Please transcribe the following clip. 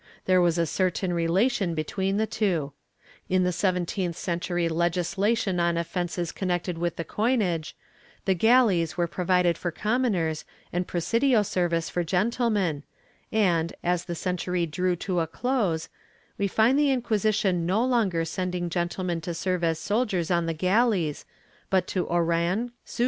There was a certain rela tion between the two. In the seventeenth century legislation on offences connected with the coinage, the galleys were provided for commoners and presidio service for gentlemen and, as the century drew to a close, we find the Inquisition no longer sending gen tlemen to serve as soldiers on the galleys but to Oran, Ceuta, 1 Modo de Proceder, fol.